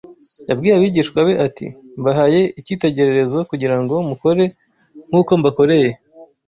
Yabwiye abigishwa be ati: “Mbahaye icyitegererezo kugira ngo mukore nk’uko mbakoreye